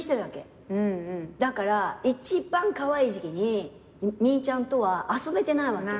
だから一番カワイイ時期にみーちゃんとは遊べてないわけ。